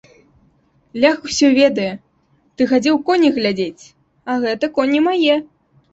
Лях усё ведае, ты хадзіў коней глядзець, а гэта коні мае.